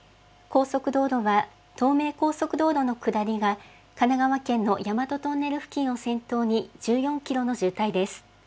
高速道路は、東名高速道路の下りが、神奈川県の大和トンネル付近を先頭に１４キロの渋滞です。